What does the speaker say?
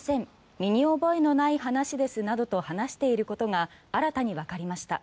身に覚えのない話ですなどと話していることが新たにわかりました。